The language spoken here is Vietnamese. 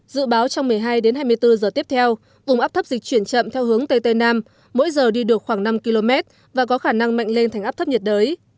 dự báo trong một mươi hai đến hai mươi bốn giờ tiếp theo vùng áp thấp dịch chuyển chậm theo hướng tây tây nam mỗi giờ đi được khoảng năm km và có khả năng mạnh lên thành áp thấp nhiệt đới